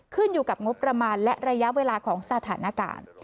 ขึ้นอยู่กับงบประมาณและระยะเวลาของสถานการณ์